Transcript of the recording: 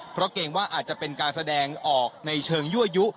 เพราะเกรงว่าอาจจะเป็นการแสดงออกในเชิงยั่วยุ